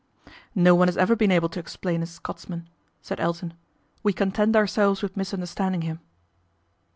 "No one has ever been able to explain a Scots lan," said Elton. " We content ourselves with lisunderstanding him."